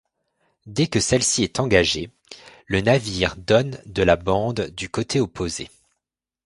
Dès que celle-ci est engagée, le navire donne de la bande du côté opposé.